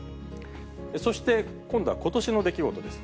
そして今度はことしの出来事です。